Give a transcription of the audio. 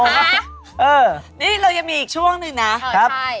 โอ้นี่เรายังมีอีกช่วงหนึ่งนะนะใช่